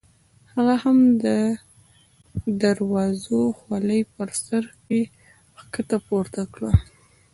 هغه هم د دروزو خولۍ په سر کې ښکته پورته کړه.